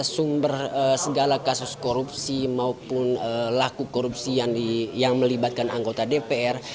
sumber segala kasus korupsi maupun laku korupsi yang melibatkan anggota dpr